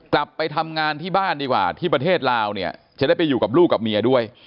กลับไปทำงานที่บ้านดีกว่าที่ประเทศลาวเนี่ยจะได้ไปอยู่กับลูกกับเมียด้วย